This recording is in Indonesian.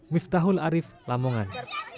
miftahul arief lamongan